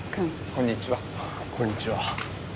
こんにちは。